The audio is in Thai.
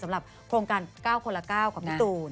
สำหรับโครงการเก้าคนละเก้ากับพี่ตูน